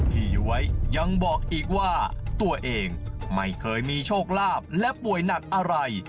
ย้วยยังบอกอีกว่าตัวเองไม่เคยมีโชคลาภและป่วยหนักอะไร